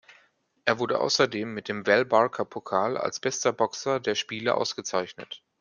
Er wurde außerdem mit dem Val-Barker-Pokal als bester Boxer der Spiele ausgezeichnet.